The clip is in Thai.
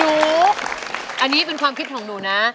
หนูอันนี้เป็นความคิดของหนูนะ